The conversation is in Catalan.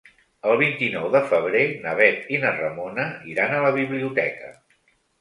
El vint-i-nou de febrer na Bet i na Ramona iran a la biblioteca.